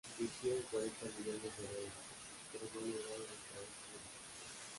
Invirtieron cuarenta millones de dólares, pero no lograron extraer crudo.